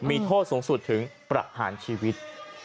มีโทษสูงสุดถึงประหารชีวิต